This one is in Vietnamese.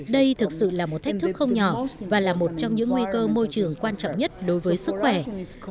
đây thực sự là một thách thức không nhỏ và là một trong những nguy cơ môi trường quan trọng nhất đối với sức khỏe